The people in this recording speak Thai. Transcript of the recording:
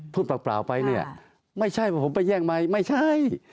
พูดเปล่าไปเนี่ยไม่ใช่ว่าผมไปแย่งไมค์ไม่ใช่